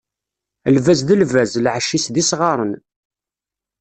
Lbaz d lbaz, lɛac-is d isɣaṛen.